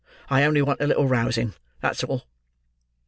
I only want a little rousing; that's all."